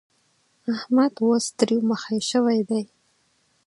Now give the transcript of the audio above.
احمد اوس تريو مخی شوی دی.